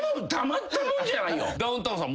ダウンタウンさん